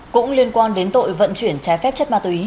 cũng liên quan đến tội vận chuyển trái phép chất ma túy